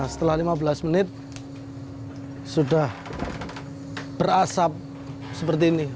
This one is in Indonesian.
setelah lima belas menit sudah berasap seperti ini